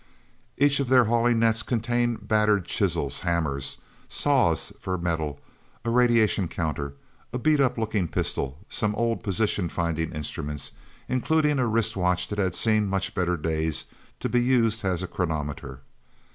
Each of their hauling nets contained battered chisels, hammers, saws for metal, a radiation counter, a beaten up looking pistol, some old position finding instruments, including a wristwatch that had seen much better days to be used as a chronometer.